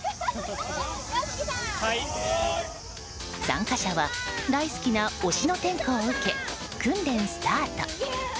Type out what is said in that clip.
参加者は、大好きな推しの点呼を受け訓練スタート。